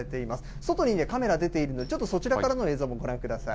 外にカメラ出ているので、ちょっとそちらからの映像もご覧ください。